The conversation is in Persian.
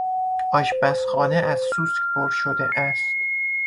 آشپزخانه از سوسک پر شده است.